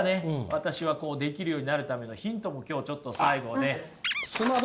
私はできるようになるためのヒントも今日ちょっと最後ね。